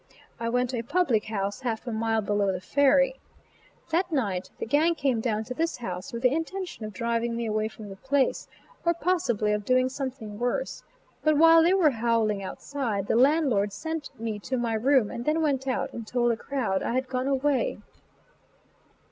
I went to a public house half a mile below the ferry. That night the gang came down to this house with the intention of driving me away from the place, or, possibly, of doing something worse; but while they were howling outside, the landlord sent me to my room and then went out and told the crowd I had gone away.